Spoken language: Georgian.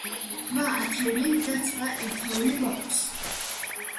რვა ათეული და ცხრა ერთეული გვაქვს.